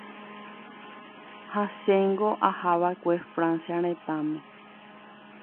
Ha chéngo ahava'ekue Francia retãme.